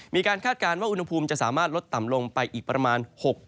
คาดการณ์ว่าอุณหภูมิจะสามารถลดต่ำลงไปอีกประมาณ๖๐